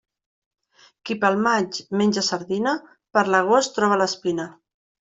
Qui pel maig menja sardina per l'agost troba l'espina.